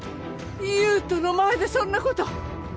優斗の前でそんなこと。